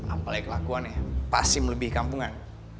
apalagi kelakuan ya pasti melebihi kampungan